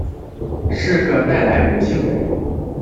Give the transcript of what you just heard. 是个带来不幸的人